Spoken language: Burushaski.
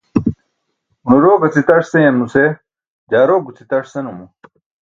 Une rok aci taṣ seyam nuse jaa rok guci taṣ senumo.